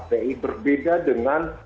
kpi berbeda dengan